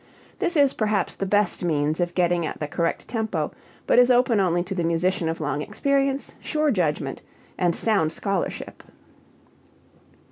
This is perhaps the best means of getting at the correct tempo but is open only to the musician of long experience, sure judgment, and sound scholarship.